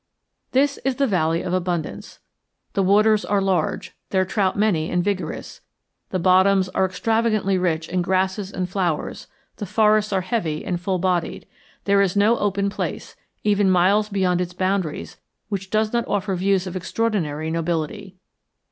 This is the valley of abundance. The waters are large, their trout many and vigorous; the bottoms are extravagantly rich in grasses and flowers; the forests are heavy and full bodied; there is no open place, even miles beyond its boundaries, which does not offer views of extraordinary nobility.